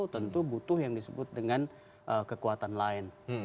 tentu butuh yang disebut dengan kekuatan lain